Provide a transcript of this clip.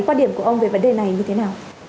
quan điểm của ông về vấn đề này như thế nào